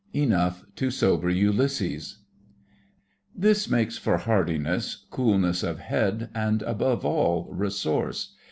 ENOUGH TO SOBER ULYSSES This makes for hardiness, coolness of head, and above all resource.